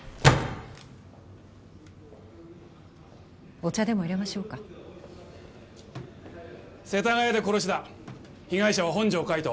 お茶でも入れましょうか世田谷で殺しだ被害者は本条海斗